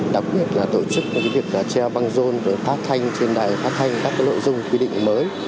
đặc biệt là tổ chức việc treo băng rôn phát thanh trên đài phát thanh các nội dung quy định mới